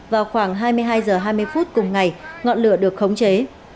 vào khoảng hai mươi hai h hai mươi phút cùng ngày ngọn lửa được khống chế